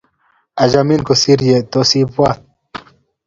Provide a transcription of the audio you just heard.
Achamin kosir ye tos ibwat.